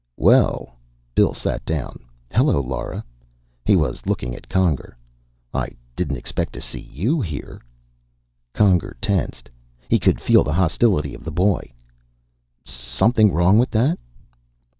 "Well." Bill sat down. "Hello, Lora." He was looking at Conger. "I didn't expect to see you here." Conger tensed. He could feel the hostility of the boy. "Something wrong with that?"